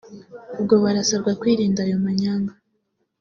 ubwo barasabwa kwirinda ayo manyanga